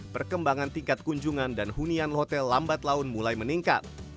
perkembangan tingkat kunjungan dan hunian hotel lambat laun mulai meningkat